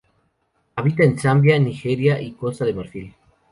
Habita en Zambia, Nigeria y Costa de Marfil.